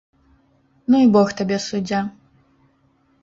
- Ну i бог табе суддзя...